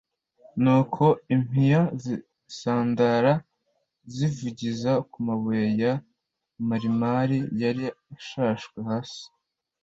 Nuko impiya zisandara, zivugiza ku mabuye ya Marimari yari ashashwe hasi,